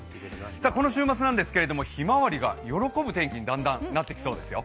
この週末なんですが、ひまわりが喜ぶ天気にだんだんなっていきそうですよ。